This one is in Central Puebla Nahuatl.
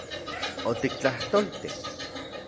¿Otiktlajtolti...?